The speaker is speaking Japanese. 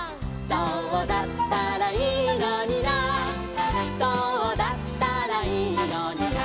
「そうだったらいいのになそうだったらいいのにな」